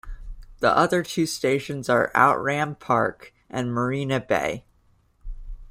The other two stations are Outram Park and Marina Bay.